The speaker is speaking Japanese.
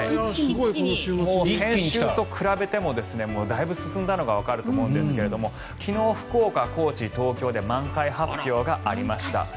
先週と比べてもだいぶ進んだのがわかると思うんですが昨日、福岡、高知、東京で満開発表がありました。